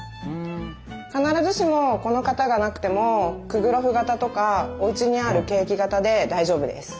必ずしもこの型がなくてもクグロフ型とかおうちにあるケーキ型で大丈夫です。